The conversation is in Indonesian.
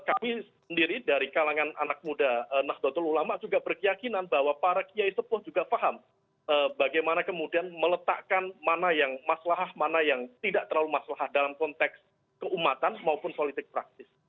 kami sendiri dari kalangan anak muda nahdlatul ulama juga berkeyakinan bahwa para kiai sepuh juga paham bagaimana kemudian meletakkan mana yang masalahah mana yang tidak terlalu masalah dalam konteks keumatan maupun politik praktis